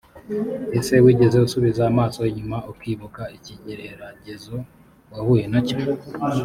ese wigeze usubiza amaso inyuma ukibuka ikigeragezo wahuye na cyo